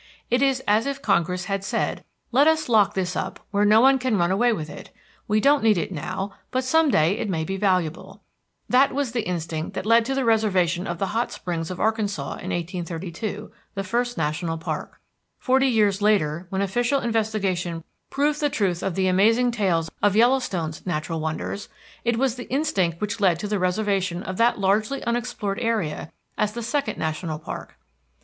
It is as if Congress had said: "Let us lock this up where no one can run away with it; we don't need it now, but some day it may be valuable." That was the instinct that led to the reservation of the Hot Springs of Arkansas in 1832, the first national park. Forty years later, when official investigation proved the truth of the amazing tales of Yellowstone's natural wonders, it was the instinct which led to the reservation of that largely unexplored area as the second national park.